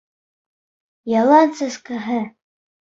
Ялан сәскәһе